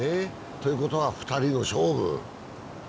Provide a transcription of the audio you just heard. ということは、２人の勝負。